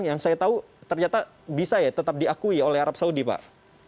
yang saya tahu ternyata bisa ya tetap diakui oleh arab saudi pak